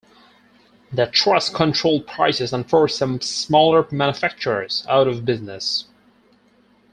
The trust controlled prices and forced some smaller manufacturers out of business.